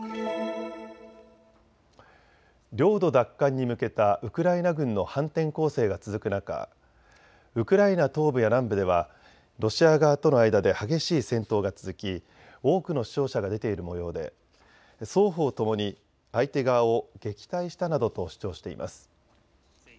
領土奪還に向けたウクライナ軍の反転攻勢が続く中、ウクライナ東部や南部ではロシア側との間で激しい戦闘が続き多くの死傷者が出ているもようで双方ともに相手側を撃退したなどと主張しています。